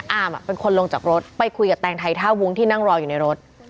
อามเป็นคนลงจากรถไปคุยกับแตงไทยท่าวุ้งที่นั่งรออยู่ในรถ